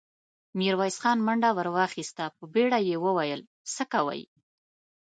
ميرويس خان منډه ور واخيسته، په بيړه يې وويل: څه کوئ!